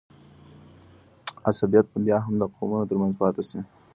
عصبیت به بیا هم د قومونو ترمنځ پاته سي.